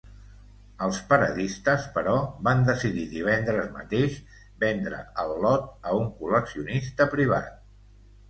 Els paradistes, però, van decidir divendres mateix vendre el lot a un col·leccionista privat.